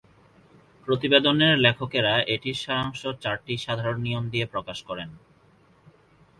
প্রতিবেদনের লেখকেরা এটির সারাংশ চারটি সাধারণ নিয়ম দিয়ে প্রকাশ করেন।